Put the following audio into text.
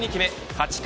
８回